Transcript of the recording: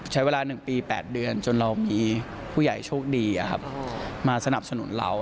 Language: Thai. ใช้เวลา๑ปี๘เดือนจนเรามีผู้ใหญ่โชคดีมาสนับสนุนเรา